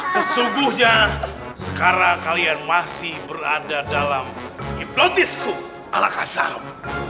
sesungguhnya sekarang kalian masih berada dalam hipnotisku ala kasamu